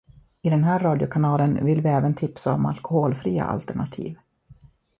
I den här radiokanalen vill vi även tipsa om alkoholfria alternativ